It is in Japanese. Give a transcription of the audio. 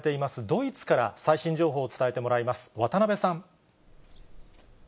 ドイツから、最新情報を伝えてもらいます。